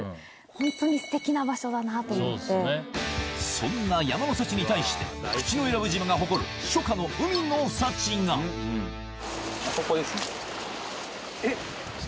そんな山の幸に対して口永良部島が誇る初夏の海の幸がえっ？